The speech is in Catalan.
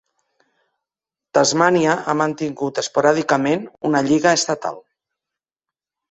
Tasmània ha mantingut esporàdicament una lliga estatal.